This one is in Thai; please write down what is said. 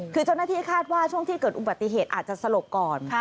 คือเจ้าหน้าที่คาดว่าช่วงที่เกิดอุบัติเหตุอาจจะสลบก่อน